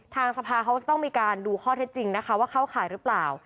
ทางสภาเขาจะต้องมีการดูข้อเท็จจริงนะคะว่าเข้าข่ายหรือเปล่า